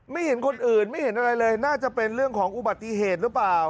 เห็นคนอื่นไม่เห็นอะไรเลยน่าจะเป็นเรื่องของอุบัติเหตุหรือเปล่า